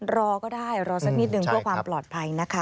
รอก็ได้รอสักนิดหนึ่งเพื่อความปลอดภัยนะคะ